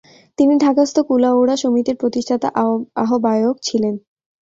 তিনি ঢাকাস্থ কুলাউড়া সমিতির প্রতিষ্ঠাতা আহ্বায়ক, ছিলেন।